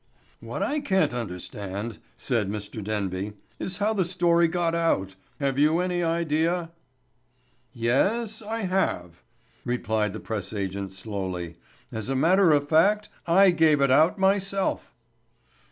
"What I can't understand," said Mr. Denby, "is how the story got out. Have you any idea?" "Yes, I have," replied the press agent, slowly. "As a matter of fact I gave it out myself."